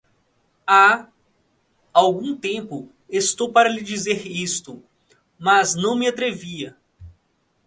Há algum tempo estou para lhe dizer isto, mas não me atrevia.